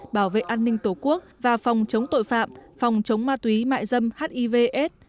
bảo vệ an ninh tổ quốc và phòng chống tội phạm phòng chống ma túy mại dâm hivs